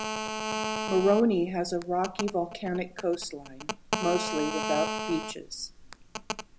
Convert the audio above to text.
Moroni has a rocky volcanic coastline, mostly without beaches.